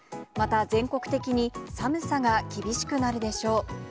また、全国的に寒さが厳しくなるでしょう。